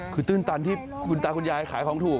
คือตื้นตันที่คุณตาคุณยายขายของถูก